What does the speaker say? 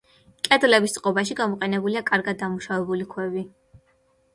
კედლების წყობაში გამოყენებულია კარგად დამუშავებული ქვები.